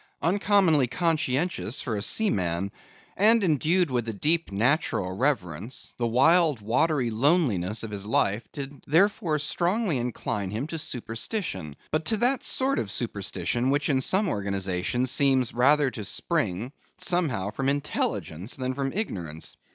Uncommonly conscientious for a seaman, and endued with a deep natural reverence, the wild watery loneliness of his life did therefore strongly incline him to superstition; but to that sort of superstition, which in some organizations seems rather to spring, somehow, from intelligence than from ignorance.